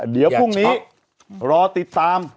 เดี๋ยวพรุ่งนี้รอติดตาม